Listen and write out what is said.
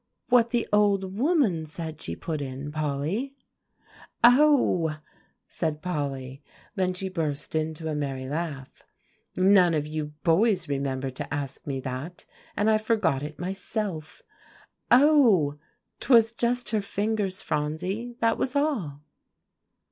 "What the old woman said she put in, Polly." "Oh!" said Polly; then she burst into a merry laugh. "None of you boys remembered to ask me that, and I forgot it myself. Oh! 'twas just her fingers, Phronsie; that was all."